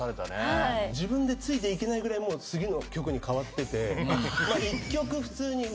自分でついていけないぐらい次の曲に変わってて。